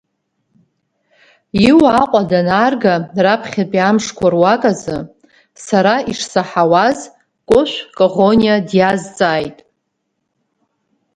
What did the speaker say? Иуа Аҟәа данаарга раԥхьатәи амшқәа руак азы, сара ишсаҳауаз Кәышә Коӷониа диазҵааит…